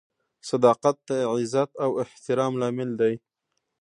• صداقت د عزت او احترام لامل دی.